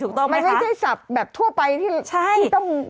มันไม่ใช่ศัพท์แบบทั่วไปที่ต้อง